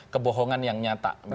kebohongan yang nyata